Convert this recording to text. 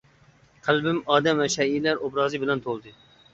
قەلبىم ئادەم ۋە شەيئىلەر ئوبرازى بىلەن تولدى.